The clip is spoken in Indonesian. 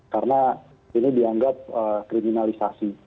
karena ini dianggap kriminalisasi